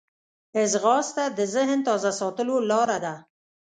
ځغاسته د ذهن تازه ساتلو لاره ده